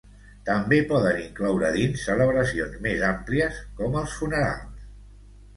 També poden incloure's dins celebracions més àmplies, com els funerals.